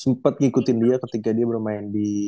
sempat ngikutin dia ketika dia bermain di